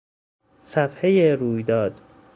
صفحهٔ رویداد